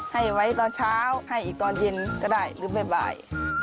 ให้ไว้ตอนเช้าให้อีกตอนเย็นก็ได้หรือบ่าย